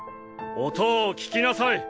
音を聴きなさい。